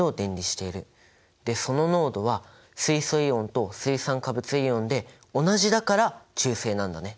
でその濃度は水素イオンと水酸化物イオンで同じだから中性なんだね。